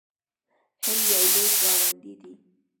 هند یو لوی ګاونډی دی.